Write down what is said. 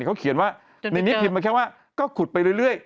เขาเขียนว่าในนี้พิมพ์มาแค่ว่าก็ขุดไปเรื่อย